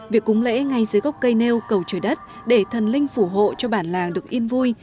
việc cúng lễ ngay dưới gốc cây nêu cầu trời đất để thần linh phủ hộ cho bản làng được yên vui